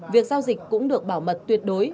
việc giao dịch cũng được bảo mật tuyệt đối